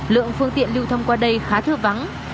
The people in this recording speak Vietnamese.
lượng phương tiện lưu thông qua đây khá thưa vắng